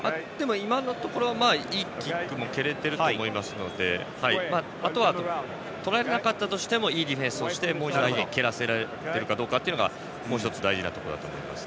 今のところは、いいキック蹴れていると思いますのであとは、とらなかったとしてもいいディフェンスをしてもう一度蹴らせるというのが大事なところだと思います。